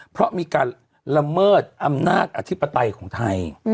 เพราะมีการละเมิดอำนาจอธิปไตยของไทย